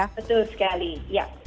betul sekali ya